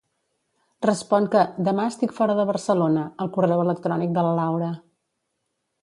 Respon que "demà estic fora de Barcelona" al correu electrònic de la Laura.